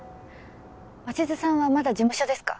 鷲津さんはまだ事務所ですか？